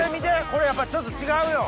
これやっぱちょっと違うよ。